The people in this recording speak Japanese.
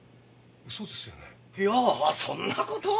いやそんな事は。